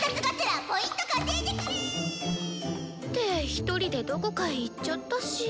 １人でどこかへ行っちゃったし。